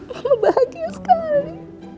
mama bahagia sekali